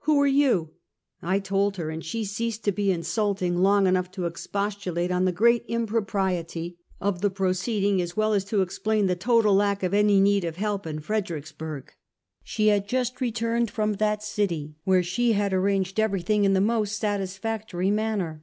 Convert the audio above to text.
"Who are you?" I told her, and she ceased to be insulting long enough to expostulate on the great impropriety of the proceeding, as well as to explain the total lack of any need of help in Fredericksburg. She had just re turned from that city, where she had arranged every thing in the most satisfactory manner.